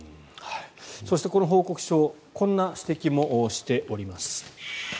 そしてこの報告書こんな指摘もしております。